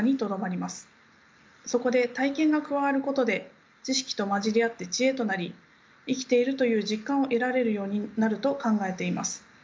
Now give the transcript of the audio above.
そこで体験が加わることで知識と混じり合って知恵となり生きているという実感を得られるようになると考えています。